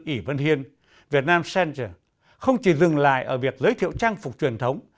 y vân hiên vietnam center không chỉ dừng lại ở việc giới thiệu trang phục truyền thống